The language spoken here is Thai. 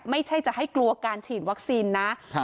ไม่ใช่จะให้กลัวการฉีดวัคซีนนะ